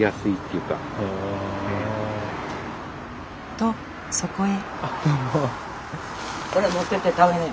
とそこへ。